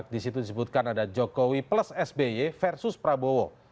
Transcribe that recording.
di situ disebutkan ada jokowi plus sby versus prabowo